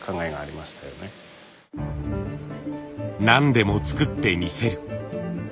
何でも作ってみせる。